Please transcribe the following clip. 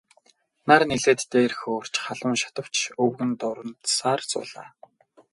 Нар нэлээд дээр хөөрч халуун шатавч өвгөн дурандсаар суулаа.